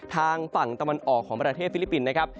ทางฝั่งตะวันออกของประเทศฟิลิปปินส์นะครับ